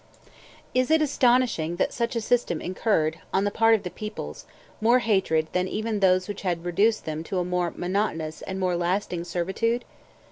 Is it astonishing that such a system incurred, on the part of the peoples, more hatred than even those which had reduced them to a more monotonous and more lasting servitude?